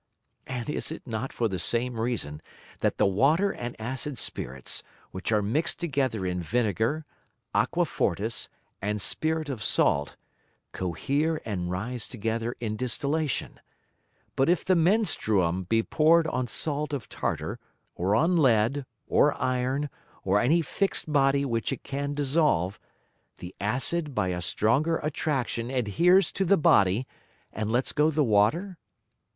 And is it not for the same reason that the Water and acid Spirits which are mix'd together in Vinegar, Aqua fortis, and Spirit of Salt, cohere and rise together in Distillation; but if the Menstruum be poured on Salt of Tartar, or on Lead, or Iron, or any fix'd Body which it can dissolve, the Acid by a stronger Attraction adheres to the Body, and lets go the Water?